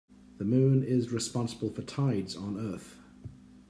The moon is responsible for tides on earth.